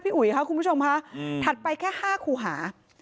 พี่อุ๋ยค่ะคุณผู้ชมค่ะอืมถัดไปแค่ห้าคู่หา